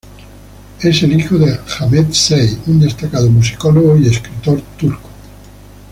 Es el hijo de Ahmet Say, un destacado musicólogo y escritor turco.